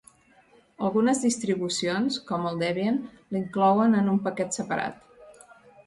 Algunes distribucions, com el Debian, l'inclouen en un paquet separat.